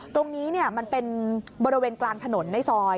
ตรงนี้มันเป็นบริเวณกลางถนนในซอย